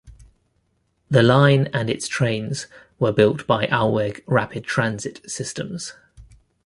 The line and its trains were built by Alweg Rapid Transit Systems.